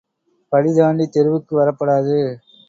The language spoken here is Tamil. படிதாண்டி தெருவுக்கு வரப்படாது.